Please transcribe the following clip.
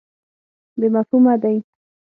بې مفهومه دی.